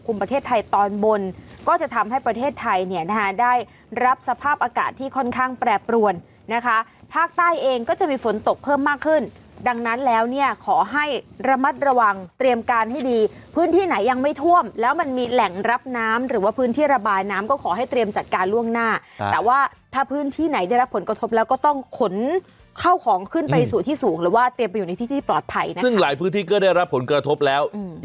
คุมประเทศไทยตอนบนก็จะทำให้ประเทศไทยเนี่ยนะคะได้รับสภาพอากาศที่ค่อนข้างแปรปรวนนะคะภาคใต้เองก็จะมีฝนตกเพิ่มมากขึ้นดังนั้นแล้วเนี่ยขอให้ระมัดระวังเตรียมการให้ดีพื้นที่ไหนยังไม่ท่วมแล้วมันมีแหล่งรับน้ำหรือว่าพื้นที่ระบายน้ำก็ขอให้เตรียมจัดการล่วงหน้าแต่ว